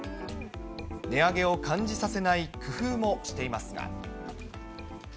値上げを感じさせない工夫もしていますが。